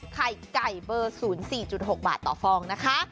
ไข่ไก่เบอร์๐๔๖บาทต่อฟองนะคะ